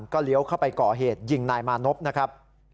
ก็เลี้ยวเข้าไปก่อเหตุยิงนายมานพนะครับ